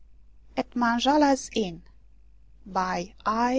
AT MANJOALA'S INN BY I.